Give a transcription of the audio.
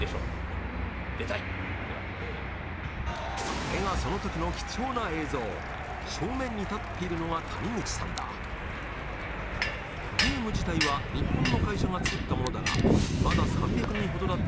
これがその時の貴重な映像正面に立っているのが谷口さんだゲーム自体は日本の会社が作ったものだがまだ３００人ほどだった参加者で